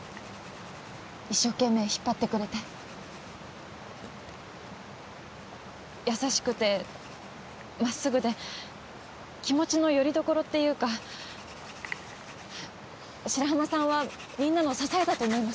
一生懸命引っ張ってくれて優しくてまっすぐで気持ちのよりどころっていうか白浜さんはみんなの支えだと思います